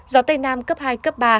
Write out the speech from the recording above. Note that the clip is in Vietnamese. gió tây nam cấp hai cấp ba